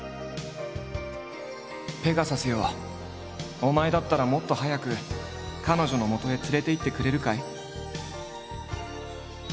「ペガサスよお前だったらもっと早くカノジョの元へ連れていってくれるかい？」。